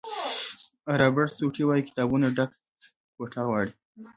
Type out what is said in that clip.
رابرټ سوټي وایي کتابونو ډکه کوټه غواړي.